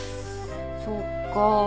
そっか。